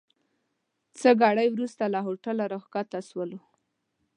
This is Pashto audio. څه ګړی وروسته له هوټل راکښته سولو.